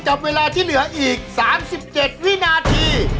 กับเวลาที่เหลืออีก๓๗วินาที